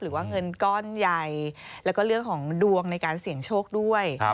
หรือว่าเงินก้อนใหญ่แล้วก็เรื่องของดวงในการเสี่ยงโชคด้วย